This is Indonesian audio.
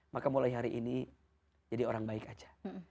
maka mulai hari ini jadi orang baik aja